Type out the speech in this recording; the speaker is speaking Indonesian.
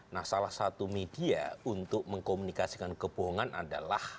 nah salah satu media untuk mengkomunikasikan kebohongan adalah